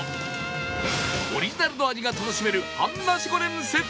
オリジナルの味が楽しめる半ナシゴレンセットか